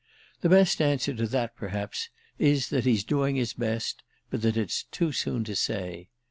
The best answer to that perhaps is that he's doing his best, but that it's too soon to say.